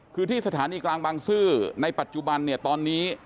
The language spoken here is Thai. คือที่สถานีกลางบังสือในปัจจุบันตอนนี้